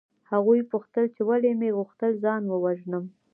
هغوی پوښتل چې ولې مې غوښتل ځان ووژنم